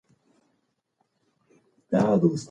د ماشوم د خندا غږ لا هم په ټول دهلېز کې دی.